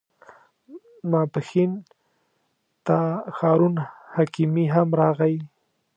ماپښین ته هارون حکیمي هم راغی.